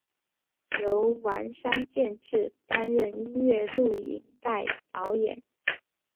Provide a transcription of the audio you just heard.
由丸山健志担任音乐录影带导演。